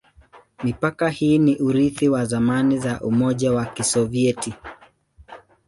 Mipaka hii ni urithi wa zamani za Umoja wa Kisovyeti.